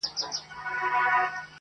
هر مشکل ته پیدا کېږي یوه لاره!!